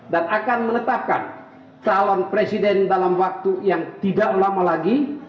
dan akan menetapkan calon presiden dalam waktu yang tidak lama lagi